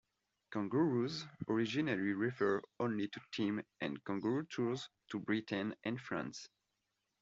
"Kangaroos" originally referred only to teams on "Kangaroo Tours" to Britain and France.